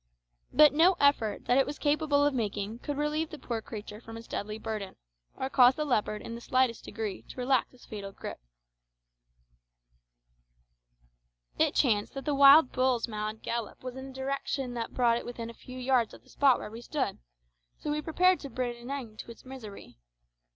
But no effort that it was capable of making could relieve the poor creature from its deadly burden, or cause the leopard in the slightest degree to relax its fatal gripe. It chanced that the wild bull's mad gallop was in a direction that brought it within a few yards of the spot where we stood, so we prepared to put an end to its misery.